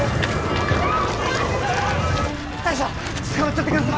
大将つかまっちょってください！